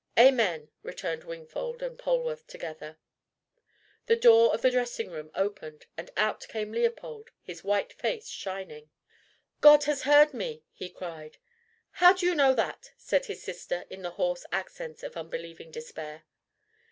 "Amen!" returned Wingfold and Polwarth together. The door of the dressing room opened, and out came Leopold, his white face shining. "God has heard me!" he cried. "How do you know that?" said his sister, in the hoarse accents of unbelieving despair.